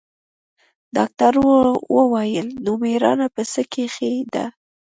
ډاکتر وويل نو مېړانه په څه کښې ده.